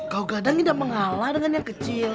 kau gadang ini udah mengalah dengan yang kecil